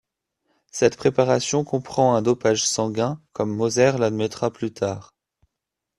Cette préparation comprend un dopage sanguin, comme Moser l'admettra plus tard.